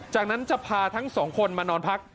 จากนั้นจะพาทั้งสองคนมานอนพัก